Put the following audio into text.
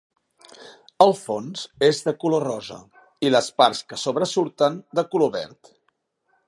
El fons és de color rosa i les parts que sobresurten de color verd.